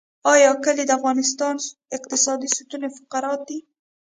آیا کلي د افغانستان اقتصادي ستون فقرات دي؟